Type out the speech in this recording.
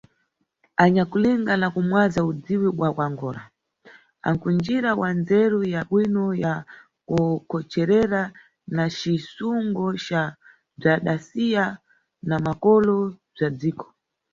Anyakulinga na kumwaza udziwi wa kuAngola anku ndjira ya ndzeru ya bwino ya kukhocherera na cisungo ca bzwadasiya na makolo bzwa dziko.